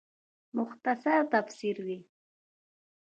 او مختصر تفسير دے